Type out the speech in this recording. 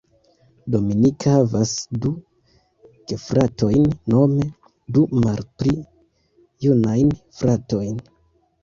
Dominika havas du gefratojn, nome du malpli junajn fratojn.